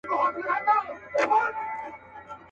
په خوښۍ مستي یې ورځي تېرولې.